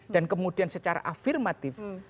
dan kemudian secara afirmatif